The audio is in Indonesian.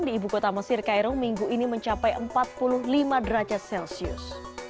di ibu kota mesir kairung minggu ini mencapai empat puluh lima derajat celcius